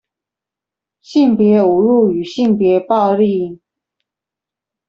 性別侮辱與性別暴力